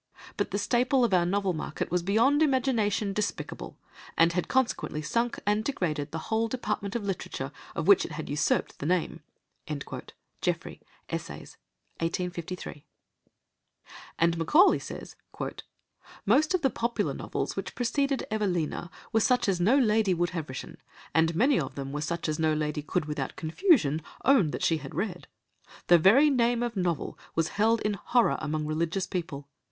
But the staple of our novel market was beyond imagination despicable, and had consequently sunk and degraded the whole department of literature of which it had usurped the name." (Jeffrey, Essays, Ed. 1853.) And Macaulay says: "Most of the popular novels which preceded Evelina were such as no lady would have written, and many of them were such as no lady could without confusion own that she had read. The very name of novel was held in horror among religious people.